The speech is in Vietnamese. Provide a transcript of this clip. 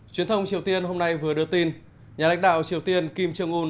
truyền thông triều tiên hôm nay vừa đưa tin nhà lãnh đạo triều tiên kim jong un